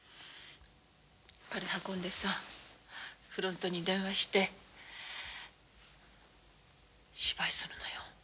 これ運んでさフロントに電話して芝居するのよ